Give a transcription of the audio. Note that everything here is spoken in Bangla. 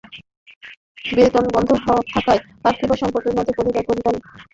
বেতন বন্ধ থাকায় আর্থিক সংকটের মধ্যে পরিবার-পরিজন নিয়ে দিন পার করছি।